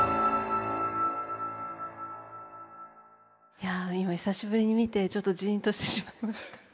いや今久しぶりに見てちょっとジンとしてしまいました。